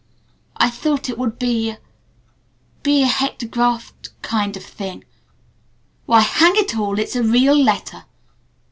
"I thought it would be a be a hectographed kind of a thing. Why, hang it all, it's a real letter!